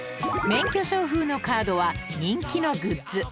免許証風のカードは人気のグッズ